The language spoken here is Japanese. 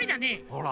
ほら。